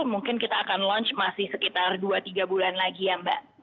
mungkin kita akan launch masih sekitar dua tiga bulan lagi ya mbak